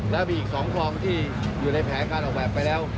แล้วมีอีก๒คลองที่อยู่ในแผนการออกแบบไปแล้ว